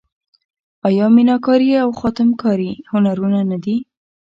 آیا میناکاري او خاتم کاري هنرونه نه دي؟